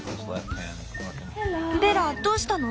ベラどうしたの？